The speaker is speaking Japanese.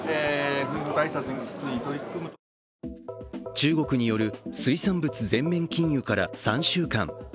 中国による水産物全面禁輸から３週間。